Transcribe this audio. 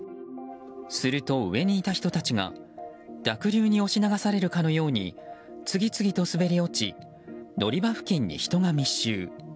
すると、上にいた人たちが濁流に押し流されるかのように次々と滑り落ち乗り場付近に人が密集。